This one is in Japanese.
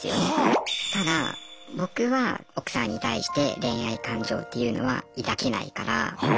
ただ僕は奥さんに対して恋愛感情っていうのは抱けないから。